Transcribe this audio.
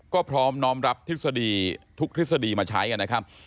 ก็พร้อมน้อมรับทฤษฎีทุกทฤษฎีมาใช้นะครับ